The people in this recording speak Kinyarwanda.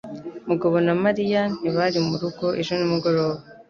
Mugabo na Mariya ntibari murugo ejo nimugoroba.